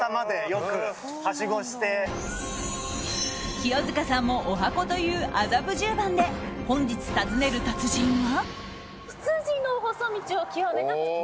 清塚さんも十八番という麻布十番で本日訪ねる達人は？